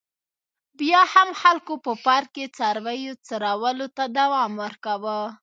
بیا هم خلکو په پارک کې څارویو څرولو ته دوام ورکاوه.